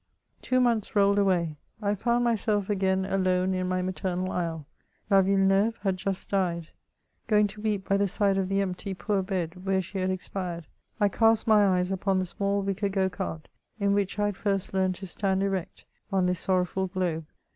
Two months rolled away ; I found myself again alone in my maternal isle ; la Yilleneuve had just died. Going to weep by the side of the empty poor bed where she had expired, I cast my eyes upon the small wicker go cart, in which I had first learned to stand erect on thb sorrowful 144 MEMOIRS OF globe.